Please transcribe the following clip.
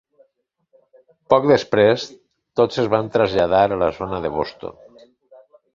Poc després, tots es van traslladar a la zona de Boston.